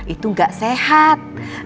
itu nggak sehat